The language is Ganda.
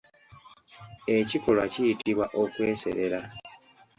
Ekikolwa kiyitibwa okweserera.